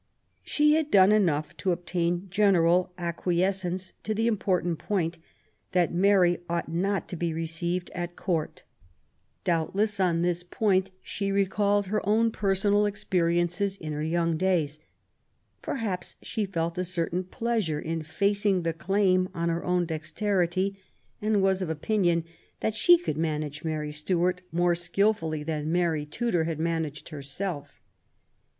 She had done enough to io8 QUEEN ELIZABETH, obtain general acquiescence to the important point that Mary ought not to be received at Court. Doubt less, on this point, she recalled her own personal experiences in her young days. Perhaps she felt a certain pleasure in facing the claim on her own dexterity, and was of opinion that she could manage Mary Stuart more skilfully than Mary Tudor had managed herself.